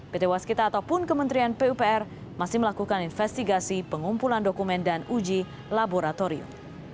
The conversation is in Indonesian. pt waskita ataupun kementerian pupr masih melakukan investigasi pengumpulan dokumen dan uji laboratorium